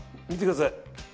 見てください。